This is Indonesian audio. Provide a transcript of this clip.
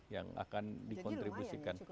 yang akan dikontribusikan